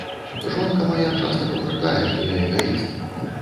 Жонка мая часта папракае, што я эгаіст.